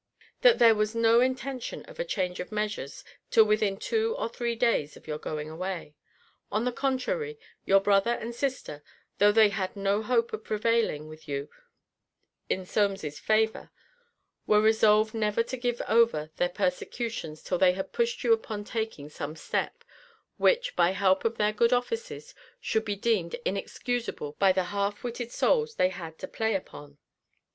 'That there was no intention of a change of measures till within two or three days of your going away. On the contrary, your brother and sister, though they had no hope of prevailing with you in Solmes's favour, were resolved never to give over their persecutions till they had pushed you upon taking some step, which, by help of their good offices, should be deemed inexcusable by the half witted souls they had to play upon.